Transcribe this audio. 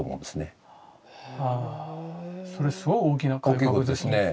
あそれすごい大きな改革ですね。